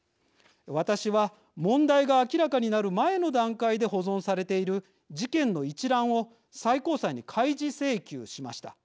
私は問題が明らかになる前の段階で保存されている事件の一覧を最高裁に開示請求しました。